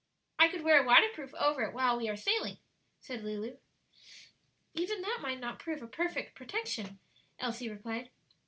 "I could wear a waterproof over it while we are sailing," said Lulu. "Even that might not prove a perfect protection," Elsie replied.